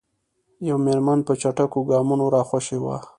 یوه میرمن په چټکو ګامونو راخوشې وه.